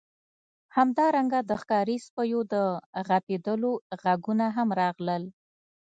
همدارنګه د ښکاري سپیو د غپیدلو غږونه هم راغلل